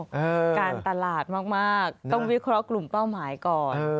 การตลาดมากต้องวิเคราะห์กลุ่มเป้าหมายก่อน